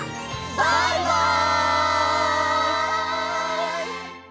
バイバイ！